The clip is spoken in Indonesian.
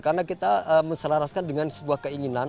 karena kita meselaraskan dengan sebuah keinginan